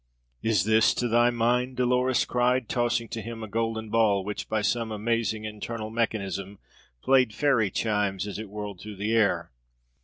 "Is this to thy mind?" Dolores cried, tossing to him a golden ball which by some amazing internal mechanism played fairy chimes as it whirled through the air.